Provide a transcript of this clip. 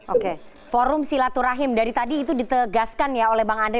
oke forum silaturahim dari tadi itu ditegaskan ya oleh bang andre